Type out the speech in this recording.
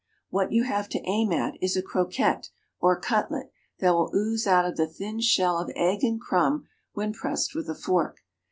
What you have to aim at is a croquette or cutlet that will ooze out of the thin shell of egg and crumb when pressed with a fork.